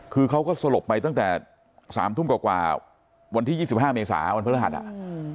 คือเขาก็สลบไปตั้งแต่๓ทุ่มกว่าวันที่๒๕เมษาวันพฤหัสอ่ะ